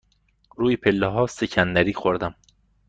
روی پله ها سکندری خوردم.